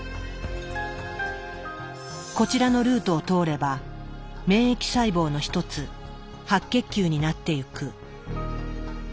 こちらのルートを通れば免疫細胞の一つ白血球になってゆく。